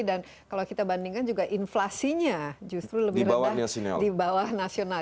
dan kalau kita bandingkan juga inflasinya justru lebih rendah di bawah nasional